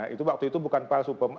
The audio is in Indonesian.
itu waktu itu bukan palsu